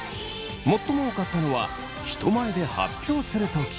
最も多かったのは人前で発表するとき。